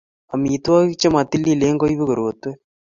Amitwogik chemo tililen koibu korotwek